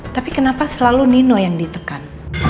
tapi kenapa selalu nino yang ditekan